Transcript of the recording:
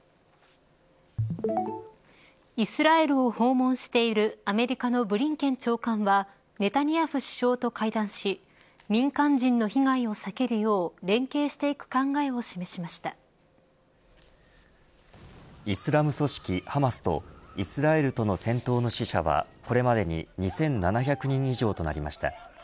イスラエルを訪問しているアメリカのブリンケン長官はネタニヤフ首相と会談し民間人の被害を避けるようイスラム組織ハマスとイスラエルとの戦闘の死者はこれまでに２７００人以上となりました。